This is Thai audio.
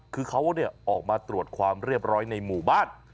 คือเขาออกมาตรวจความเรียบร้อยในหมู่บ้าน